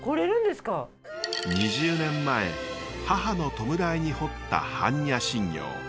２０年前母の弔いに彫った般若心経。